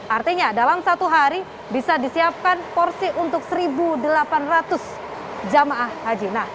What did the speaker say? artinya dalam satu hari bisa disiapkan porsi untuk satu delapan ratus jemaah haji